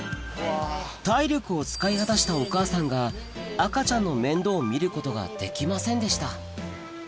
体力を使い果たしたお母さんが赤ちゃんの面倒を見ることができませんでした